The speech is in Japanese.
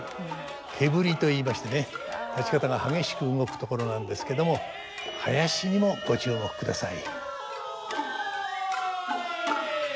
毛振りといいましてね立方が激しく動くところなんですけども囃子にもご注目ください。